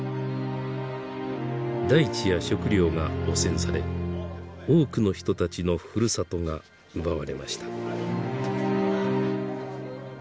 大地や食料が汚染され多くの人たちのふるさとが奪われました。